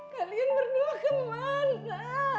kalian berdua kemana